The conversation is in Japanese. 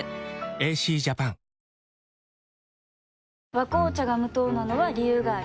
「和紅茶」が無糖なのは、理由があるんよ。